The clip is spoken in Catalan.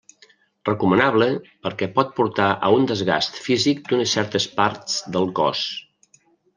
Recomanable perquè pot portar a un desgast físic d'unes certes parts del cos.